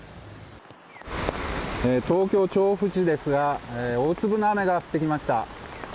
東京・調布市ですが大粒の雨が降ってきました。